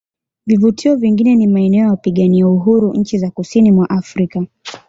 Vivutio vingine ni maeneo ya wapigania uhuru nchi za kusini mwa Afrika